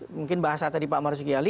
mungkin bahasa tadi pak marus giyali